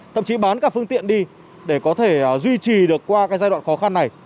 thậm chí bán cả phương tiện đi để có thể duy trì được qua giai đoạn khó khăn này